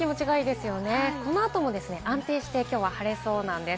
この後も安定して今日は晴れそうです。